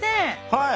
はい。